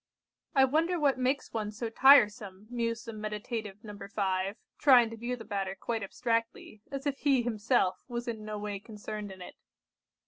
"I wonder what makes one so tiresome," mused the meditative No. 5, trying to view the matter quite abstractedly, as if he himself was in no way concerned in it.